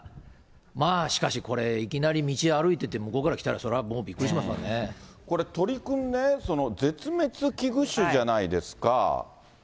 まあしかしこれ、いきなり道歩いてて向こうから来たらそれはもうびっくりしますわこれ、鳥くんね、絶滅危惧種じゃないですか。